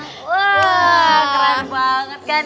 wah keren banget kan